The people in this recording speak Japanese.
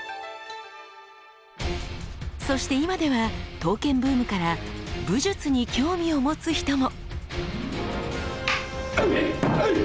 そして今では刀剣ブームから武術に興味を持つ人も！